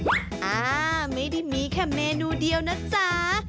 อ่าไม่ได้มีแค่เมนูเดียวนะจ๊ะ